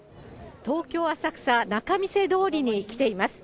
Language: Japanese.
東京・浅草、仲見世通りに来ています。